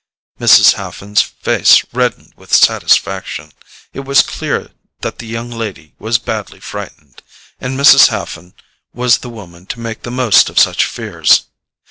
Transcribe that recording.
Mrs. Haffen's face reddened with satisfaction. It was clear that the young lady was badly frightened, and Mrs. Haffen was the woman to make the most of such fears.